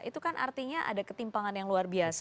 itu kan artinya ada ketimpangan yang luar biasa